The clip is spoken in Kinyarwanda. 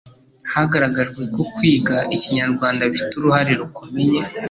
Hagaragajwe ko kwiga Ikinyarwanda bifite uruhare rukomeye